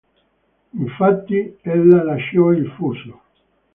Infatti ella lasciò il fuso.